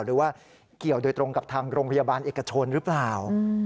หรือว่าเกี่ยวโดยตรงกับทางโรงพยาบาลเอกชนหรือเปล่า